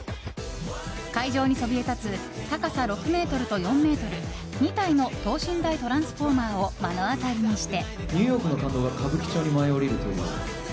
会場にそびえ立つ高さ６ｍと４ｍ、２体の等身大トランスフォーマーを目の当たりにして。